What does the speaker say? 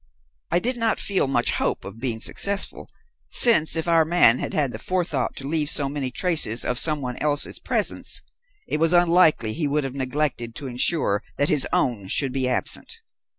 I did not feel much hope of being successful, since, if our man had had the forethought to leave so many traces of some one else's presence, it was unlikely he would have neglected to ensure that his own should be absent.